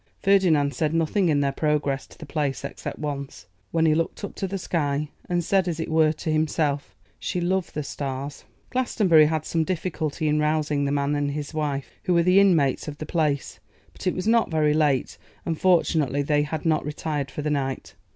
Ferdinand said nothing in their progress to the Place except once, when he looked up to the sky, and said, as it were to himself, 'She loved the stars.' Glastonbury had some difficulty in rousing the man and his wife, who were the inmates of the Place; but it was not very late, and, fortunately, they had not retired for the night.